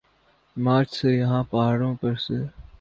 مارچ سے یہاں پہاڑوں پر سے